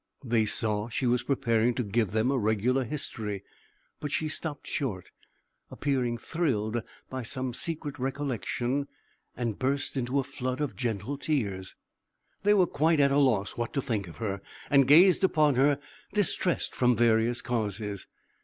They saw she was preparing to give them a regular history; but she stopped short, appearing thrilled by some secret recollection, and burst into a flood of gentle tears. They were quite at a loss what to think of her, and gazed upon her, distressed from various causes.